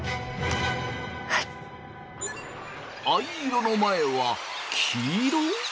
藍色の前は黄色？